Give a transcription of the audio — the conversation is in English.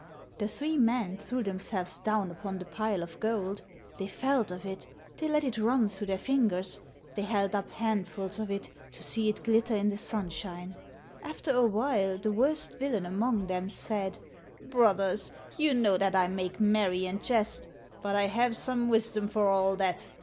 The three men threw themselves down upon the pile of gold, they felt of it, they let it run through their fingers, they held up handfuls of it to see it glitter in the sun shine. After a while the worst villain among them said, " Brothers, you know that I make merry and jest, but I have some wisdom for all that.